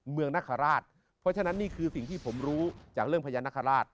นคราชเพราะฉะนั้นนี่คือสิ่งที่ผมรู้จากเรื่องพญานาคาราช